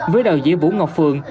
với đạo diễn vũ ngọc phường